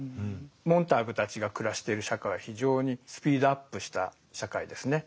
モンターグたちが暮らしてる社会は非常にスピードアップした社会ですね。